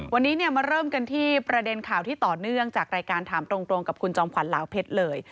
วันนี้มาเริ่มกันที่ประเด็นข่าวที่ต่อเนื่องจากรายการถามตรงกับคุณจอมขวัญลาวเพชรเลย